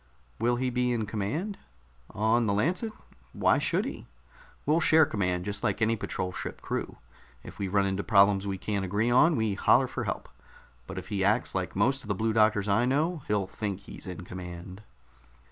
"Will he be in command?" "On the Lancet? Why should he? We'll share command, just like any patrol ship crew. If we run into problems we can't agree on, we holler for help. But if he acts like most of the Blue Doctors I know, he'll think he's in command."